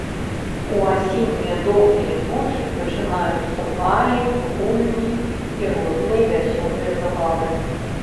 У асеннія доўгія ночы пачынаюцца балі, гульні і розныя вясёлыя забавы.